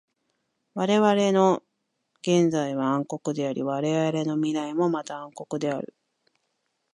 われわれの現在は暗黒であり、われわれの未来もまた暗黒である。